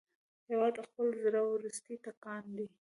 هېواد د خپل زړه وروستی ټکان دی.